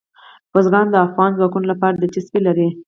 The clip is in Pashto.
بزګان د افغان ځوانانو لپاره دلچسپي لري.